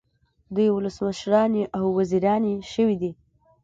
دوی ولسمشرانې او وزیرانې شوې دي.